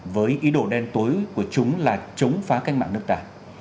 với ý đồ đen tối của chúng là chống phá cách mạng nước ta